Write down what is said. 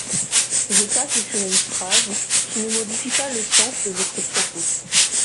Je passe sur une phrase qui ne modifie pas le sens de votre propos.